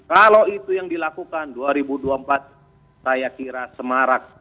kalau itu yang dilakukan dua ribu dua puluh empat saya kira semarak